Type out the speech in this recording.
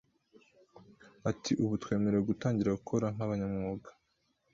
Ati Ubu twemerewe gutangira gukora nk’abanyamwuga